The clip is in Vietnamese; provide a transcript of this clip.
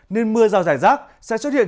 nên mưa rào rải rác sẽ xuất hiện